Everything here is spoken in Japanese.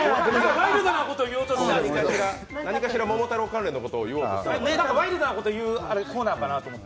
ワイルドなことをいおうとしたんですけどワイルドなことを言うコーナーかなって。